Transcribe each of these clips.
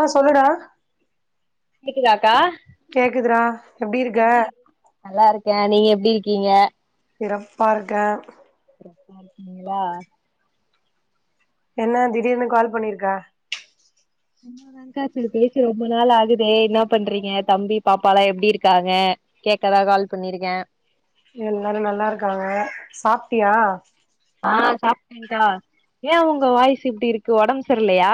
ஆ சொல்லுடா கேக்குதாக்கா கேக்குதுடா எப்டியிருக்க நல்லாருக்கே நீங்க எப்டி இருக்கீங்க சிறப்பா இருக்கே சிறப்பா இருக்கீங்ளா என்ன திடீர்னு கால் பண்ணிர்க்க சும்மா தாங்க்கா செரி பேசி ரொம்ப நாள் ஆகுதே என்ன பண்றீங்க தம்பி பாப்பால்லா எப்டியிருக்காங்க கேக்கதா கால் பண்ணிருக்கே எல்லாரு நல்லா இருக்காங்க சாப்ட்டியா ஆ சாப்ட்டேங்க்கா ஏ உங்க வாய்ஸ் இப்டி இருக்கு ஒடம் செர்லையா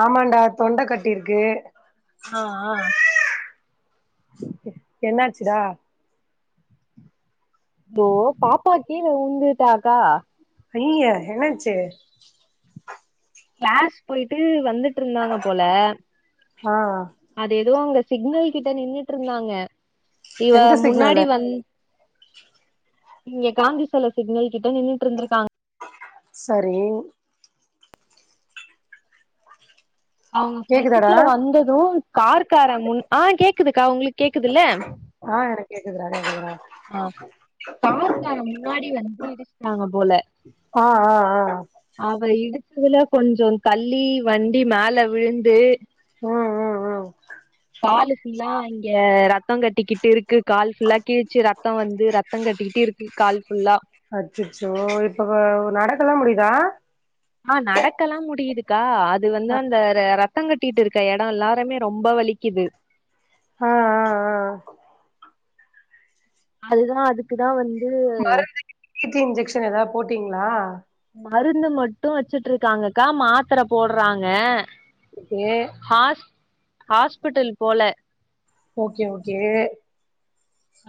ஆமாண்டா தொண்ட கட்டியிருக்கு ஆ ஆ என்னாச்சிடா அய்யோ பாப்பா கீழ உழ்ந்துட்டாக்கா அய்யய்யே என்னாச்சி க்ளாஸ் போயிட்டு வந்துட்டு இருந்தாங்க போல ஆ அது எதோ அவுங்க சிக்னல் கிட்ட நின்னுட்ருந்தாங்க இவ எந்த சிக்னலு முன்னாடி வந் இங்க காந்தி செல சிக்னல் கிட்ட நின்னுட்ருந்துருக்காங் சரி அவுங்க ஃப்ரெண்டு கேக்குதாடா கீழ வந்தது கார்கார முன் ஆ கேக்குதுக்கா உங்ளுக்கு கேக்குதில்ல ஆ எனக் கேக்குதுடா [inaudible] சொல்டா அ கார்கார முன்னாடி வந்து இடுச்ட்டாங்க போல ஆ ஆ ஆ அவ இடுச்சதுல கொஞ்சோ தள்ளி வண்டி மேல விழுந்து ம் ம் ம் காலு ஃபுல்லா இங்க ரத்தோ கட்டிக்கிட்டு இருக் கு கால் ஃபுல்லா கிழுச்சி ரத்தோ வந்து ரத்தோ கட்டிகிட்டு இருக்கு கால் ஃபுல்லா அச்சச்சோ இப்ப நடக்கெல்லா முடிதா ஆ நடக்கல்லா முடியிதுக்கா அது வந்து அந்த இந்த ரத்தங் கட்டிட்டு இருக்க எடொ எல்லாருமே ரொம்போ வலிக்குது ஆ ஆ ஆ அதுதா அதுக்குதா வந்து மருந்து டி டி இன்ஜெக்சன் ஏதாது போட்டிங்ளா மருந்து மட்டு‌ வெச்சுட்டு இருக்காங்கக்கா மாத்தர போட்றாங்க ஒகே ஹாஸ் ஹாஸ்பிட்டல் போல ஓகே ஓகே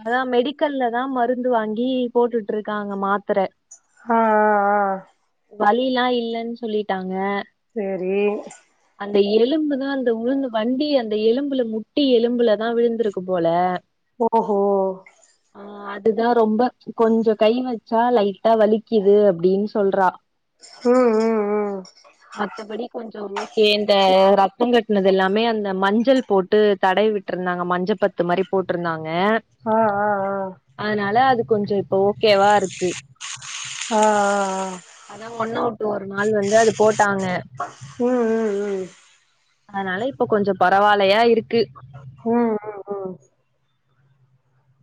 அதா மெடிக்கல்ல தா மருந்து வாங்கி போட்டுட்டு ருக்காங்க மாத்தர அ அ ஆ வலில்லா இல்லன் சொல்லிட்டாங்க செரி அந்த எலும்புதா அந்த உழுந்து வண்டி அந்த எலும்புல முட்டி எலும்புலதா விழுந்திருக்கு போல ஓ ஹோ ஆ அதுதா ரொம்ப கொஞ்சோ கை வெச்சா லைட்டா வலிக்கிது அப்டின் சொல்றா ம்ம்ம் மத்தபடி கொஞ்சோ லோக் இந்த ரத்தோ கட்னது எல்லாமே அந்த மஞ்சள் போட்டு தடவி விட்ருந்தாங்க மஞ்ச பத் து மாரி போட்ருந்தாங்க ஆ ஆ ஆ அதனால அது கொஞ்சோ இப்ப ஓகேவா இருக்கு ஹ ஹ ஹ அதா ஒன்னவுட்டு ஒரு நாள் வந்து அது போட்டாங்க ம் ம் ம் அதனால இப்ப கொஞ்சோ பரவால்லயா இருக்கு ஹும்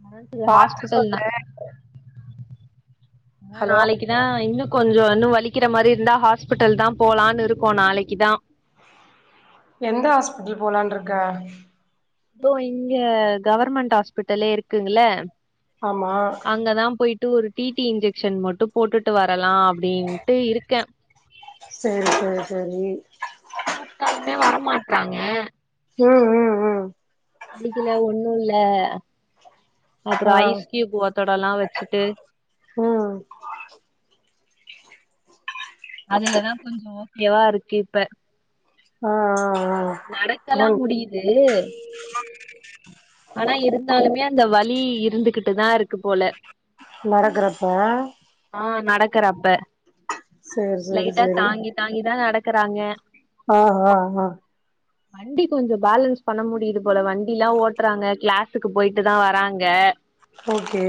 அதா செரி பாத்து ஹாஸ்பிட்டல் சொல்லே ஆ ஹலோ நாளைக்கி தா இன்னு கொஞ்சோ இன்னு வலிக்கிற மாரி இருந்தா ஹாஸ்பிட்டல் தா போலான் இருக்கோ நாளைக்கிதா எந்த ஹாஸ்பெட்டல் போலான்ருக்க தோ இங்க கவர்மெண்ட் ஹாஸ்பிட்டலே இருக்குங்கல்ள ஆமா அங்கதா போயிட்டு ஒரு டி டி இன்ஜெக்ஷன் மட்டு போட்டுட்டு வரலா அப்டின்ட்டு இருக்க செரி சேரி செரி கூப்ட்டாலுமே வரமாட்றாங்க ம்ம்ம் வலிக்கில ஒண்ணு இல்ல அப்றோ ஆ ஐஸ்கியூப் ஒத்தொடல்லா வெச்சுட்டு ஹு அதுலதா கொஞ்சோ ஓக்கேவா இருக்கு இப்ப ஆ ஆ ஆ நடக்கலா ம் முடியிது ஆனா இருந்தாலுமே அந்த வலி இருந்துகிட்டு தா இருக்கு போல நடக்குறப்ப ஆ நடக்கறப்ப சேரி சேரி லைட்டா சேரி தாங்கி தாங்கி தா நடக்கறாங்க ஆ ஆ ஆ வண்டி கொஞ்சோ பேலன்ஸ் பண்ண முடியிது போல வண்டிலா ஓட்றாங்க கிளாசுக்கு போயிட்டு தா வராங்க ஓகே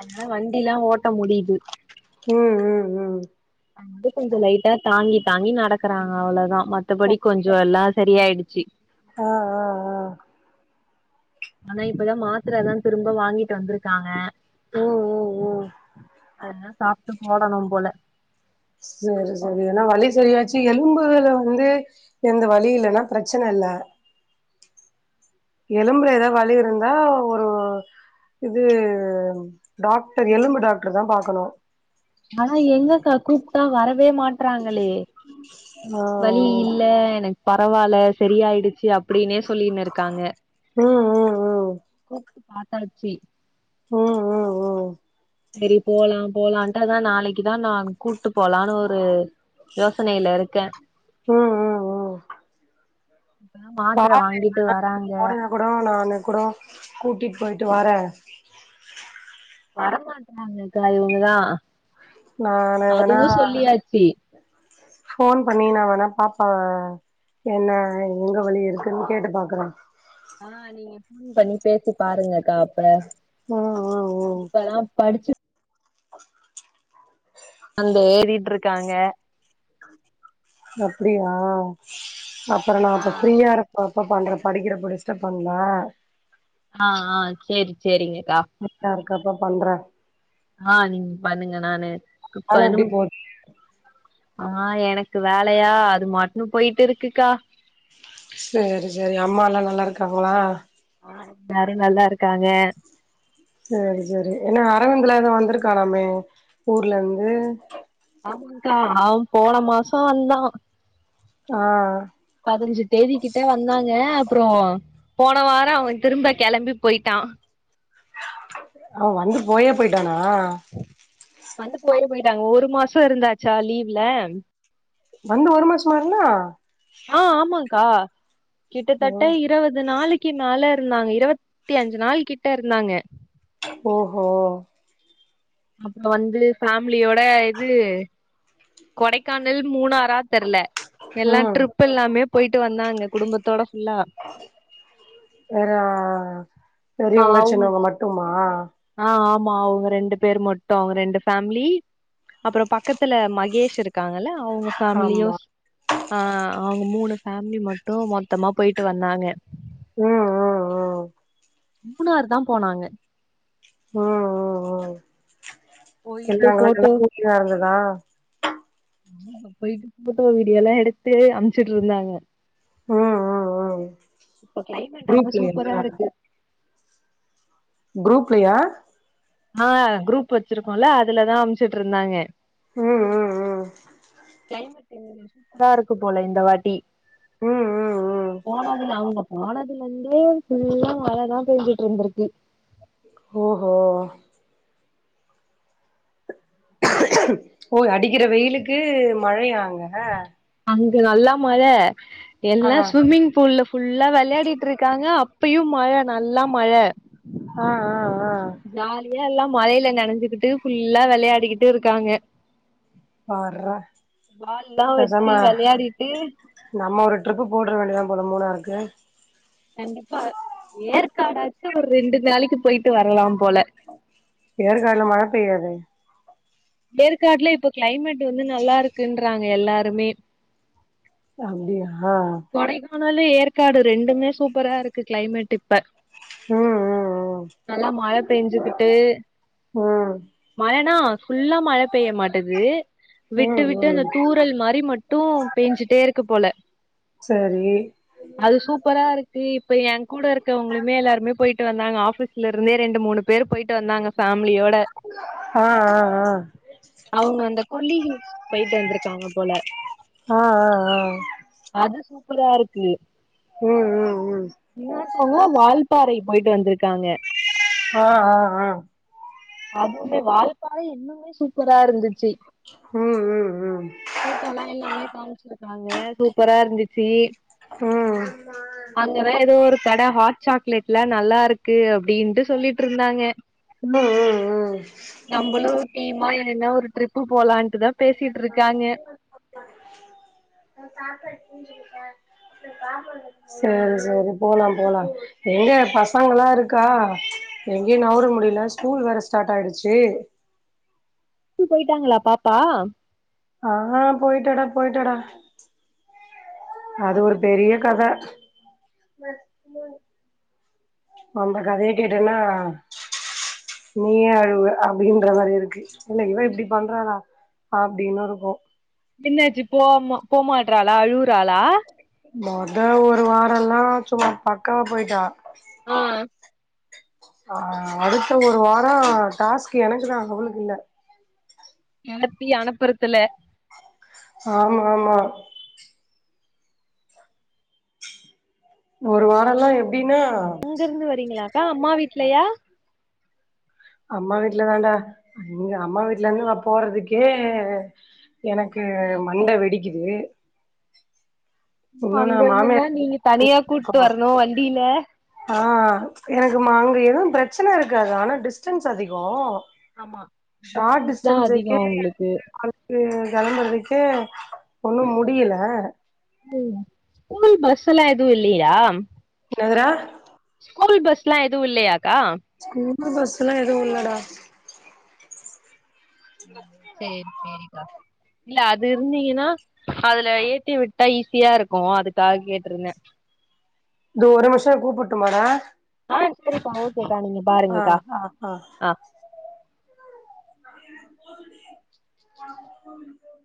அதுனால வண்டிலா ஓட்ட முடியிது ம் ம் ம் [unintelligible] [unintelligible] கொஞ்சோ லைட்டா தாங்கி தாங்கி நடக்கிறா அவ்ளோதா மத்தபடி கொஞ்சோ எல்லா செரியாயிடுச்சு ஆ ஆ ஆ ஆனா இப்பதா மாத்ரதா திரும்ப வாங்கிட்டு வந்திருக்காங்க ம் ம் ம் அதெல்லா சாப்ட்டு போடணும் போல சேரி செஏரி ஏன்னா வலி செரியாச்சு எலும்புல வந்து எந்த வழி இல்லனா பிரச்சன இல்ல எலும்புல ஏதா வழி இருந்தா ஒரு இது டாக்டர் எலும்பு டாக்டர் தா பாக்கணு ஆனா எங்கக்கா கூப்ட்டா வரவே மாட்றாங்களே ஆ வலி இல்ல எனக்கு பரவாயில்ல செரியாயிடுச்சு அப்டினே சொல்லினுருக்காங்க ம் ம் ம் [inaudible] ம் ம் ம் செரி போலா போலான்ட்டு அதா நாளிக்கிதா நா கூட்டு போலான்னு ஒரு யோசனில இருக்கே ம் ம் ம் இப்பதா மாத்தர வாங்கிட்டு வராங்க குடோ நானு குடோ கூட்டிட்டு போய்டிட்டு வரே வரமாட்டறாங்கக்கா இவங்கதா நானு வேணா அதுவு சொல்லியாச்சு ஃபோன் பண்ணி வேணா நா பாப்பா என்ன எங்க வழி இருக்குன்னு கேட்டு பாக்குறே ஆ நீங்க ஃபோன் பண்ணி பேசி பாருங்கக்கா அப்ப ம் ம் ம் இப்ப தா படிச்சு [unintelligible] இருக்காங்க அப்பிடியா அப்றோ நா ஆ அப்ப ஃப்ரீயா இருப் ப்ப பண்ற படிக்கிறப்போ டிஸ்டப் பண்ல ஆ ஆ சேரி சேரிங்கக்கா [unintelligible] இருக்கப்ப பண்ற ஆ நீங்க பண்ணுங்க நானு அதெல்லா இப்பனு எப்டி போ ஆ எனக்கு வேலையா அது மாட்டுனு போயிட்டு இருக்குக்கா சேரி சேரி அம்மா எல்லா நல்லா இருக்காங்களா ஆ எல்லாரு நல்லா இருக்காங்க சேரி சேரி என்னா அரவிந்தெல்ல வந்திருக்கா நாமே ஊர்ல இருந்து ஆமாங்கா அவ போன மாச வந்தா ஆ பதினஞ்சு தேதி கிட்ட வந்தாங்க அப்றோ போன வார அவ திரும்ப கெளம்பி போயிட்டா அவ வந்து போயே பொய்ட்டானா வந்து போயே பொயிட்டாங்க ஒரு மாசோ இருந்தாச்சா லீவ்ல வந்து ஒரு மாசம்மா இருந்தா அ ஆமாகா ஓ கிட்டத்தட்ட இருவது நாளைக் க்கி மேல இருந்தாங்க இருவத்தி அஞ்சு நாள் கிட்ட இருந்தாங்க ஓஹோ அப்றோ வந்து ஃபேம்லியோட இது கொடைக்கானல் மூணாறா தெர்ல எல்லா ம் ட்ரிப் எல்லாமே பொய்ட்டு வந்தாங்க குடும்பத்தோட ஃபுல்லா வேற ஆ பெரியவங்க அவுங் சின்னவங்க மட்டுமா ஆ ஆமா அவுங்க ரெண்டு பேர் மட்டு அவுங்க ரெண்டு ஃபேம்லி அப்றோ பக்கத்துல மகேஷ் இருக்காங்கல்ல அவுங்க ஃபேம்லியு ஆமா அ அவுங்க மூணு ஃபேம்லி மட்டு மொத்தமா பொய்ட்டு வந்தாங்க ம் ம் ம் மூணாருதா போனாங்க ம் ம் ம் பொய்ட்டு எல்லா அங்கலா போட்டோ நல்லா கூலிங்கா இருந்ததா பொய்ட்டு போட்டோ வீடியோல்லா எடுத்து அமுச்சுட்ருந்தாங்க ம் ம் ம் இப்ப கிளைமேட் வந்து குரூப்லயா சூப்பரா இருக்கு குரூப்லியா ஆ குரூப் வச்சிருக்கோல அதுலதா அமைச்சுட்ருந்தாங்க ம் ம் ம் கிளைமேட் வந்து சூப்பரா இருக்கு போல இந்த வாட்டி ம் ம் ம் போனதுல அவுங்க போனதுல இருந்தே ஃபுல்லா மழைதா பெஞ்சுட்ருந்திருக்கு ஓஹோ ஓ அடிக்கிற வெயிலுக்கு மழையா அங்க அங்க நல்ல மழ எல்லா ஆ ஸ்விம்மிங் பூல்ல ஃபுல்லா விளையாடிட்டு இருக்காங்க அப்பயு மழ நல்லா மழ அ அ அ ஜாலியா எல்லா மலையில நனைஞ்சுகிட்டு ஃபுல்லா விளையாடிக்கிட்டு இருக்காங்க பார்றா பால்லா வச்சு பேசாம விளையாடிட்டு நம்ம ஒரு ட்ரிப்பு போட வேண்டியதா போல மூணாறுருக்கு கண்டிப்பா ஏற்காடாச்சு ஒரு ரெண்டு நாளைக்கு பொய்ட்டு வர்லா போல ஏற்காட்ல மழ பெய்யாது ஏற்காடுல இப்ப கிளைமேட் வந்து நல்லா இருக்குன்றாங்க எல்லாருமே அப்டியா கொடைக்கானாலு ஏற்காடு ரெண்டுமே சூப்பரா இருக்கு கிளைமேட் இப்ப ம் ம் நல்லா மழ பெஞ்சுக்கிட்டு அ மழனா ஃபுல்லா மழ பெய்ய மாட்டது விட்டு ம் விட்டு ம் அந்த ம் தூறல் மாரி மட்டு பேஞ்சுட்டே இருக்கு போல சரி அது சூப்பரா இருக்கு இப்ப எ கூட இருக்கவுங்ளுமே எல்லாருமே பொய்ட்டு வந்தாங்க ஆஃபீஸ் இதுல இருந்தே ரெண்டு மூணு பேர் பொயிட்டு வந்தாங்க ஃபேம்லியோட ஆ ஆ ஆ அவுங்க அந்த குல்லி ஹில்ஸ் போயிட்டு வந்திருக்காங்க போல ஆ ஆ ஆ ஆ அது சூப்பரா இருக்கு ம் ம் இன்னொருத்தவங்க வால்பாறைக் போயிட்டு வந்திருக்காங்க ஆ ஆ ஆ அதுமே வால்பாறை இன்னுமே சூப்பரா இருந்துச்சு ம் ம் ம் போட்டோல்லாம் எல்லாமே காமிச்சிருக்காங்க சூப்பரா இருந்துச்சு அங்கதா எதோ ஒரு கட ஹாட் சாக்லேட்லாம் நல்லா இருக்கு அப்டின்ட்டு சொல்லிட்டு இருந்தாங்க ம் ம் ம் நம்மளும் டீமா வேனுன்னா ஒரு ட்ரிப்பு போலான்ட்டுதா பேசிட்டு இருக்காங்க நான் சாப்பாடுக்கேன் சாப்படு சரி சரி போலாம் போலாம் எங்க பசங்கல்லாம் இருக்கா எங்கேயும் நவுர முடியல ஸ்கூல் வேற ஸ்டார்ட் ஆயிடுச்சு ஸ்கூல் போயிட்டாங்களா பாப்பா ஆ போயிட்டடா போயிட்டடா அது ஒரு எப்டி பெரிய போச்சு கத அம்ப கதையே கேட்டன்னா நீயே அழவு அப்படின்ற மாரி இருக்கு இல்ல இவன் இப்படி ம் பண்றாளா அப்டின்னு இருக்கும் என்னாச்சு போம போமாட்டறாளா அழுவுறாளா மொத ஒரு வாரொ எல்லா சும்மா பக்காவ போயிட்டா ஆ அ அடுத்த ஒரு வாரம் டாஸ்க் எனக்குதா அவளுக்கு இல்ல என்ன த்தி அனுப்புறத்துல ஆமா ஆமா ஒரு வாரம் எல்லா எப்டின்னா அங்க இருந்து வரீங்களாக்கா அம்மா வீட்லையா அம்மா வீட்ல தான்டா இங்க அம்மா வீட்ல இருந்து நா போறதுக்கே எனக்கு அப்டியா மண்ட வெடிக்குது இன்னு நா அங்க இருந்துன்னா மாமியார் நீங்க தனியா கூட்டு வரணும் வண்டியில ஆ எனக்கு மா அங்க எதுவும் பிரச்சன இருக்காது ஆனா டிஸ்டன்ஸ் அதிகம் ஆமா டிஸ்டன்ஸ் தான் அதிகம் உங்களுக்கு இது கிளம்பறதுக்கே ஒன்னும் முடியல உம் ஸ்கூல் பஸ் எல்லாம் எதுவும் இல்லயா என்னதுடா ஸ்கூல் பஸ் எல்லா எதுவும் இல்லையாக்கா ஸ்கூல் பஸ் எல்லா எதுவும் இல்லடா செரி செரிக்கா இல்ல அது இருந்தீங்கன்னா அதுல ஏத்தி விட்டா ஈஸியா இருக்கும் அதுக்காக கேட்ருந்தேன் இதொ ஒரு நிமிஷம் கூப்டட்டுமாடா ஆ செரிக்கா ஓகேக்கா நீங்க ஆ பாருங்கக்கா ஆ ஆ